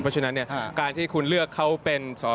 เพราะฉะนั้นการที่คุณเลือกเขาเป็นสอ